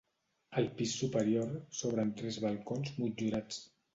Al pis superior s'obren tres balcons motllurats.